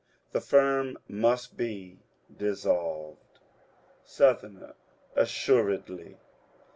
The firm must be dissolved. Sou. — Assuredly.